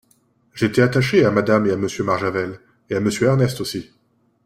J’étais attachée à madame et à Monsieur Marjavel ! et à Monsieur Ernest aussi.